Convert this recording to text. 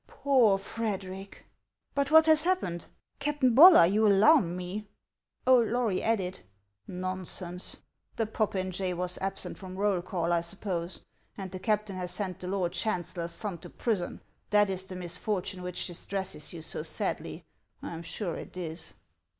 Poor Frederic;" " But what lias happened ? Captain Bollar, you alarm me." Old Lory added :" Xonsense ! The popinjay was ab sent from roll call, I snppose, and the captain has sent the lord chancellor's son to prison : that is the misfortune which distresses you so sadly ; I am sure it is."